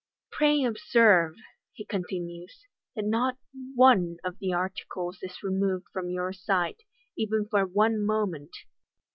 " Pray observe," he continues, " that not one of the articles is removed from your sight, even for one moment.